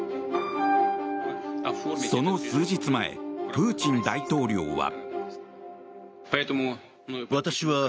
その数日前プーチン大統領は。